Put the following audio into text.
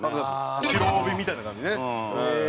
白帯みたいな感じね。